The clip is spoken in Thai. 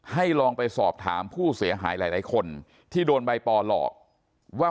ลองไปสอบถามผู้เสียหายหลายคนที่โดนใบปอหลอกว่า